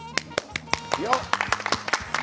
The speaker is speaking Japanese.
よっ！